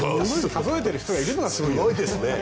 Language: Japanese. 数えている人がいるのがすごいですね。